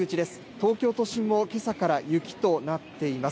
東京都心もけさから雪となっています。